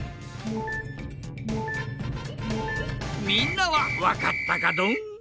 みんなはわかったかドン？